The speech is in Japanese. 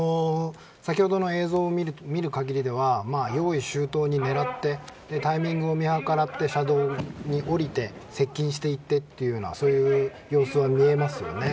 先ほどの映像を見る限りでは用意周到に狙ってタイミングを見計らって車道に下りて接近していってというようなそういう様子は見えますよね。